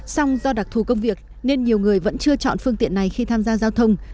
song do đặc thù công việc nên nhiều người vẫn chưa chọn phương tiện này khi tham gia giao thông